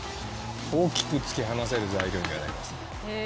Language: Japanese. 大きく突き放せる材料にはなりますよね。